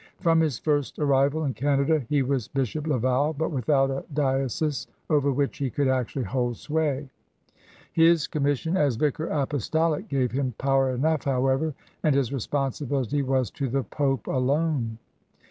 From his first arrival in Canada he was Bishop Laval, but without a diocese over which he could actually hold sway. His commission as Vicar Apostolic gave him power enough, however, and his responsibility was to the Pope alone.